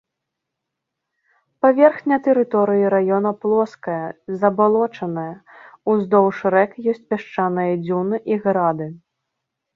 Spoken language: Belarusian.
Паверхня тэрыторыі раёна плоская, забалочаная, уздоўж рэк ёсць пясчаныя дзюны і грады.